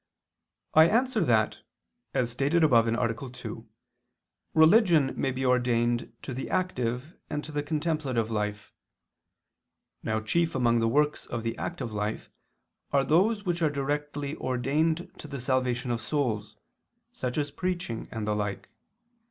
I answer that As stated above (A. 2), religion may be ordained to the active and to the contemplative life. Now chief among the works of the active life are those which are directly ordained to the salvation of souls, such as preaching and the like.